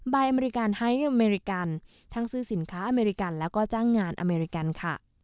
อเมริกันไฮทอเมริกันทั้งซื้อสินค้าอเมริกันแล้วก็จ้างงานอเมริกันค่ะ